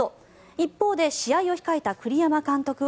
一方で試合を控えた栗山監督は